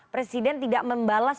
presiden tidak membalas